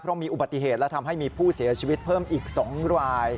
เพราะมีอุบัติเหตุและทำให้มีผู้เสียชีวิตเพิ่มอีก๒ราย